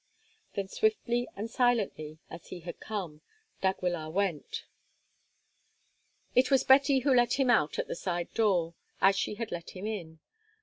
Then swiftly and silently as he had come, d'Aguilar went. It was Betty who let him out at the side door, as she had let him in.